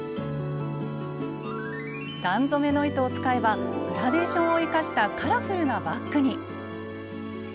段染めの糸を使えばグラデーションを生かしたカラフルなバッグに！